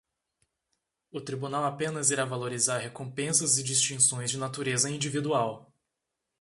O Tribunal apenas irá valorizar recompensas e distinções de natureza individual.